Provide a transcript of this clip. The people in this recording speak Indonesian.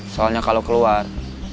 soalnya kalau keluar